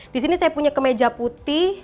disini saya punya kemeja putih